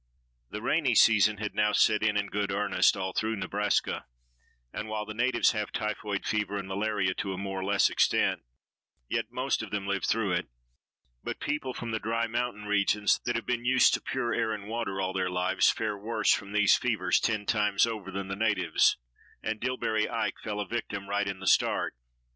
The rainy season had now set in in good earnest all through Nebraska, and while the natives have typhoid fever and malaria to a more or less extent, yet most of them live through it, but people from the dry mountain regions that have been used to pure air and water all their lives fare worse from these fevers ten times over than the natives, and Dillbery Ike fell a victim right in the start.